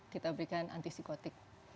kita berikan antipsikotik